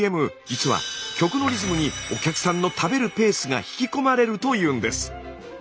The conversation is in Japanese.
実は曲のリズムにお客さんの食べるペースが引き込まれるというんです。